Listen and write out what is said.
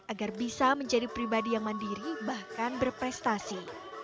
agar bisa menjadi pribadi yang mandiri bahkan berprestasi